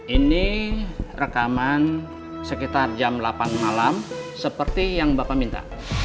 ini rekaman sekitar jam delapan malam seperti yang bapak minta